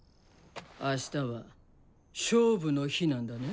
あしたは勝負の日なんだね？